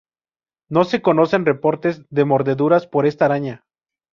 No se conocen reportes de mordeduras por esta araña.